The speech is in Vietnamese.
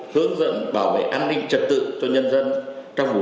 hướng dẫn bảo vệ an ninh trật tự